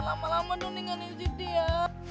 lama lama nuningannya siti ya